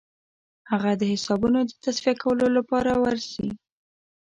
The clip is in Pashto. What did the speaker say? هغه د حسابونو د تصفیه کولو لپاره ورسي.